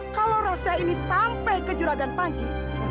kalau rose ini sampai ke juragan panci